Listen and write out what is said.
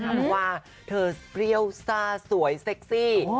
เพราะว่าเธอเปรี้ยวซ่าสวยเซ็กซี่